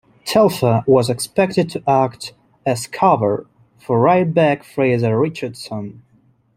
Telfer was expected to act as cover for right back Frazer Richardson.